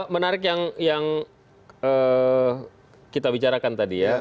menarik yang kita bicarakan tadi ya